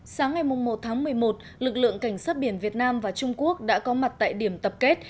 sáng ngày một tháng một mươi một lực lượng cảnh sát biển việt nam và trung quốc đã có mặt tại điểm tập kết